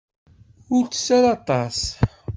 Ur tess ara aṭas.